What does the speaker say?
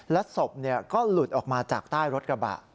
และศพก็หลุดออกมาจากใต้รถกระบะ